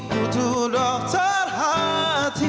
butuh dokter hati